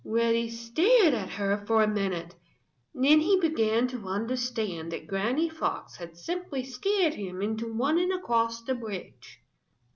Reddy stared at her for a minute. Then he began to understand that Granny Fox had simply scared him into running across the bridge.